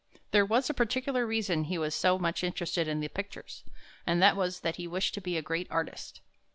There was a particular reason why he was so much interested in the pictures, and that was that he wished to be a great artist.